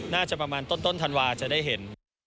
น่าจะประมาณต้นธันวาจะได้เห็น